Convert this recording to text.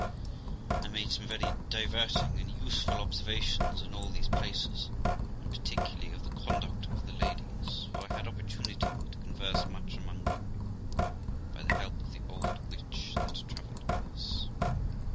I made some very diverting and useful observations in all these places, and particularly of the conduct of the ladies; for I had opportunity to converse much among them, by the help of the old witch that travelled with us.